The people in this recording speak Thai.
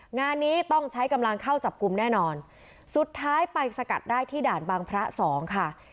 งานนี้ต้องใช้กำลังเข้าจับกลุ่มแน่นอนสุดท้ายไปสกัดได้ที่ด่านบางพระสองค่ะ